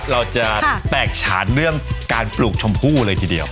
เราจะแตกฉานเรื่องการปลูกชมพู่เลยทีเดียว